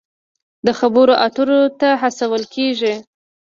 د خبرو اترو ته هڅول کیږي.